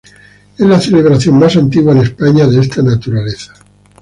Es la celebración más antigua en España de esta naturaleza.